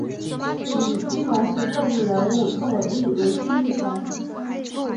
与基隆市政治人物宋玮莉为亲戚关系。